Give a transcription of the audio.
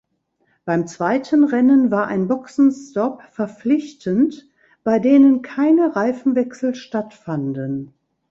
Beim zweiten Rennen war ein Boxenstopp verpflichtend, bei denen keine Reifenwechsel stattfanden.